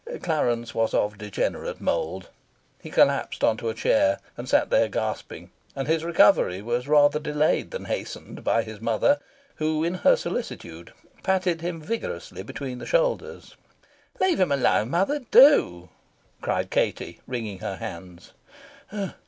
Clarence was of degenerate mould. He collapsed on to a chair, and sat there gasping; and his recovery was rather delayed than hastened by his mother, who, in her solicitude, patted him vigorously between the shoulders. "Let him alone, mother, do," cried Katie, wringing her hands.